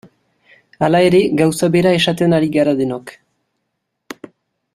Hala ere, gauza bera esaten ari gara denok.